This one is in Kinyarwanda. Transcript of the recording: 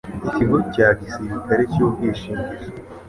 ikigo cya gisirikare cy ubwishingizi